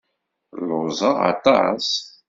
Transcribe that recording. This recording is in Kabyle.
Lluẓeɣ aṭas.